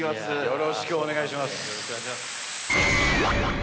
よろしくお願いします。